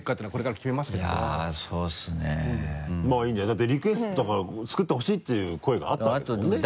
だってリクエストだから作ってほしいっていう声があったんですもんね。